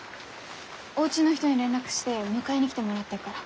おうちの人に連絡して迎えに来てもらってるから。